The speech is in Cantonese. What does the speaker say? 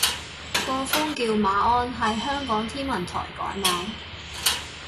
個風叫馬鞍，係香港天文台改名